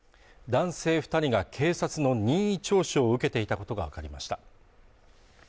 男性二人が警察の任意聴取を受けていたことが分かりました